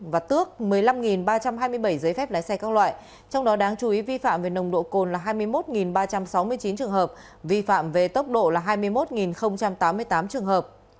và tước một mươi năm ba trăm hai mươi bảy giấy phép lái xe các loại trong đó đáng chú ý vi phạm về nồng độ cồn là hai mươi một ba trăm sáu mươi chín trường hợp vi phạm về tốc độ là hai mươi một tám mươi tám trường hợp